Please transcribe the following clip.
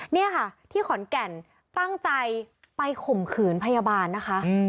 นี่ค่ะที่ขอนแก่นตั้งใจไปข่มขืนพยาบาลนะคะ